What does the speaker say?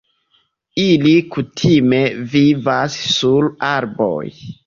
Ili kutime vivas sur arboj.